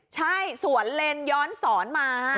ใช่สวนเลนย้อนสอนมา